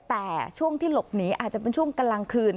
แต่ช่วงที่หลบหนีอาจจะเป็นช่วงกลางคืน